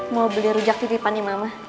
mau beli rujak titipan nih mama